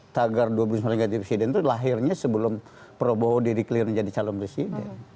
tagar dua ribu sembilan belas jadi presiden itu lahirnya sebelum pro prabowo di declare jadi calon presiden